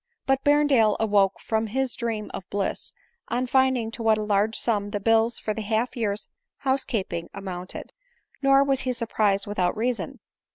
But Berrendale awoke from his dream of bliss, on finding to what a large sum the bills for the half year's house keeping amounted. Nor was he surprised without reason.